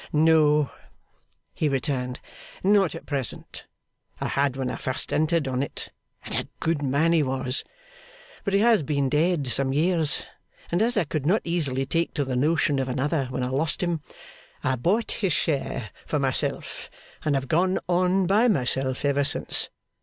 'No,' he returned, 'not at present. I had when I first entered on it, and a good man he was. But he has been dead some years; and as I could not easily take to the notion of another when I lost him, I bought his share for myself and have gone on by myself ever since.